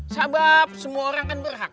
sabab semua orang kan berhak